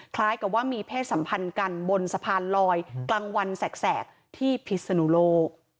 คล้ายกับว่ามีเพศสัมพันธ์กันบนสะพานลอยกลางวันแสกที่พิศนุโลก